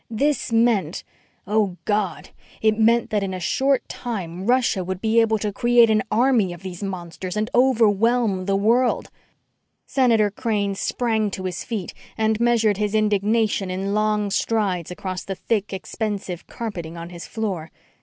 This meant oh, God it meant that in a short time Russia would be able to create an army of these monsters and overwhelm the world. Senator Crane sprang to his feet and measured his indignation in long strides across the thick, expensive carpeting on his floor.